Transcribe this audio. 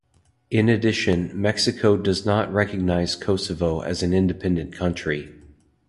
In addition, Mexico does not recognize Kosovo as an independent country.